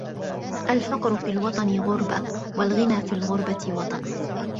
الفقر في الوطن غربة والغنى في الغربة وطن.